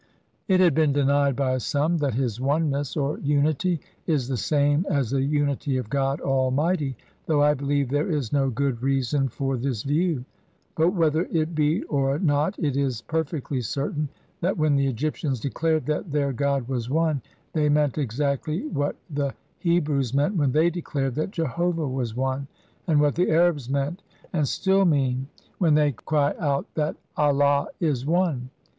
It has been denied by some that his oneness or unity is the same as the unitv of God Almighty, though I believe there is no good reason for this view ; but whether it be or not it is per fectly certain that when the Egyptians declared that their god was One they meant exactly what the He brews meant when they declared that Jehovah was One, 1 and what the Arabs meant, and still mean when i. "Hear, O Israel, Adonai our God is God One" ("HN) Deutero nomy VI. 4. THE JUDGMENT OF THE DEAD. XCIX they cry out that Allah is One.